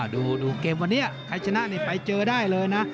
ดูเกมวันนี้ใครชนะไปเจอได้เลยนะ